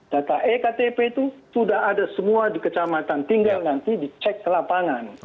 data ektp itu sudah ada semua di kecamatan tinggal nanti dicek ke lapangan